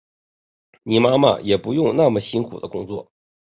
你妈妈也不用那么辛苦的工作